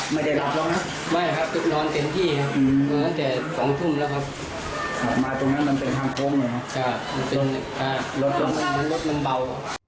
มันรถมันเบา